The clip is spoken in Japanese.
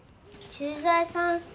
駐在さん